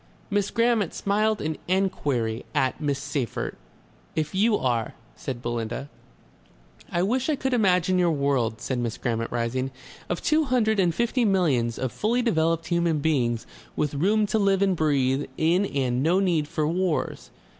Miss Grammont smiled an enquiry at Miss Seyffert. "If YOU are," said Belinda. "I wish I could imagine your world," said Miss Grammont, rising, "of two hundred and fifty millions of fully developed human beings with room to live and breathe in and no need for wars.